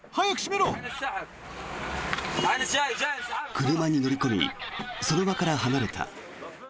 車に乗り込みその場から離れた。